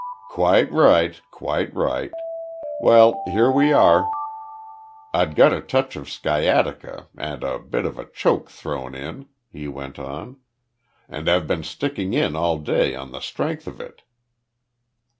"Quite right. Quite right. Well, here we are, I'd got a touch of sciatica, and a bit of a choke thrown in," he went on, "and have been sticking in all day on the strength of it."